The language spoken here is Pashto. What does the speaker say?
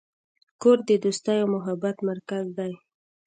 کور د دوستۍ او محبت مرکز دی.